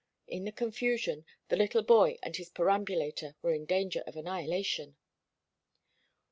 In the confusion the little boy and his perambulator were in danger of annihilation.